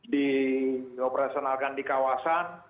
di operasionalkan di kawasan